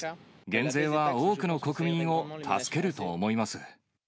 減税は、多くの国民を助けると思います。